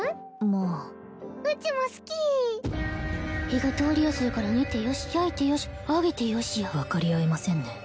まあうちも好き火が通りやすいから煮てよし焼いてよし揚げてよしや分かり合えませんね